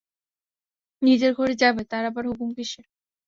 নিজের ঘরে যাবে তার আবার হুকুম কিসের?